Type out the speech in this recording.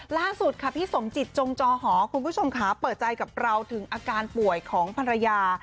ล่าสุดค่ะพี่สมจิตจงจอหอคุณผู้ชมค่ะเปิดใจกับเราถึงอาการป่วยของภรรยา